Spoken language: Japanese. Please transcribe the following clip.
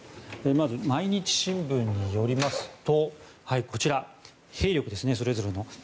まず、毎日新聞によりますと兵力ですね、それぞれの。